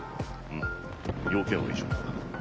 うむ用件は以上だ。